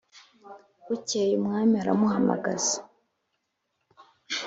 Bukeye umwami aramuhamagaza